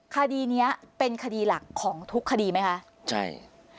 คดีเนี้ยเป็นคดีหลักของทุกคดีไหมคะใช่